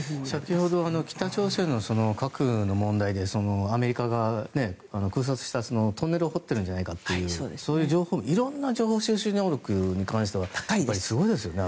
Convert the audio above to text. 先ほど北朝鮮の核の問題でアメリカ側が空撮したトンネルを掘っているんじゃないかというそういう情報色んな情報収集能力についてはすごいですよね。